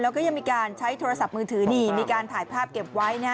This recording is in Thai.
แล้วก็ยังมีการใช้โทรศัพท์มือถือนี่มีการถ่ายภาพเก็บไว้นะ